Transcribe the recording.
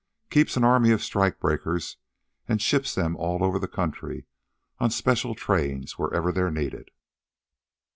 Keeps an army of strike breakers an' ships them all over the country on special trains wherever they're needed.